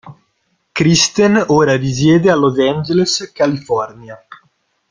Kristen ora risiede a Los Angeles, California.